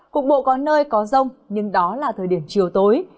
cục bộ có nơi có rông nhưng đó là thời điểm chiều tối